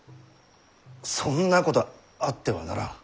そんなことあってはならん。